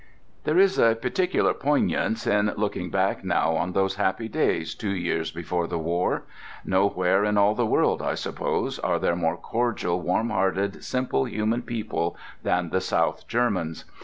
There is a particular poignance in looking back now on those happy days two years before the war. Nowhere in all the world, I suppose, are there more cordial, warmhearted, simple, human people than the South Germans.